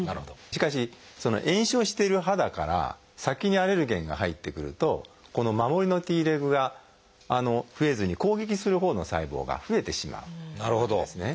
しかし炎症している肌から先にアレルゲンが入ってくるとこの守りのＴレグが増えずに攻撃するほうの細胞が増えてしまうんですね。